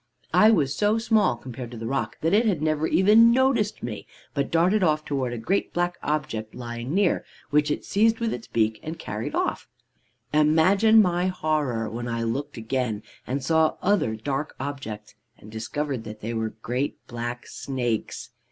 "I was so small, compared to the roc, that it had never even noticed me, but darted off towards a great black object lying near, which it seized with its beak and carried off. Imagine my horror when I looked again and saw other dark objects, and discovered that they were great black snakes.